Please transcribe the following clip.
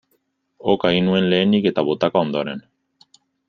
Oka egin nuen lehenik eta botaka ondoren.